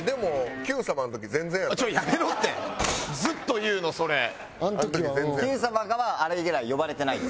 『Ｑさま！！』からはあれ以来呼ばれてないです。